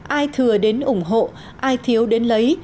ai thừa đến ủng hộ ai thiếu đến lấy